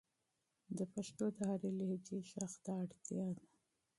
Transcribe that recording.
د پښتو د هرې لهجې ږغ ته اړتیا ده.